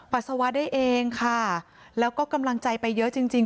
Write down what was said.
ปัสสาวะได้เองค่ะแล้วก็กำลังใจไปเยอะจริงจริง